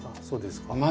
そうですか。